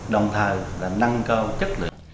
đồng thời là nâng cao chất lượng